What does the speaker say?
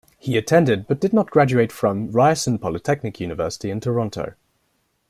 He attended, but did not graduate from Ryerson Polytechnic University in Toronto.